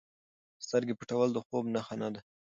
سترګې پټول د خوب نښه نه ده.